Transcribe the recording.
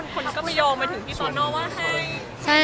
คนก็ไปโยงไปถึงพี่โตโน่ว่าให้